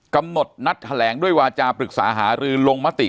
กำหนดนัดแถลงด้วยวาจาปรึกษาหารือลงมติ